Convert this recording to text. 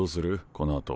このあと。